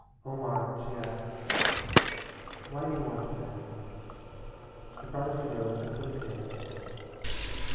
"Omar," she asked, "why do you want to marry me?" The prodigy rose and put his hands in his pockets.